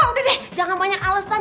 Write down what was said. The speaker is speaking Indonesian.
udah deh jangan banyak alesan